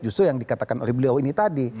justru yang dikatakan oleh beliau ini tadi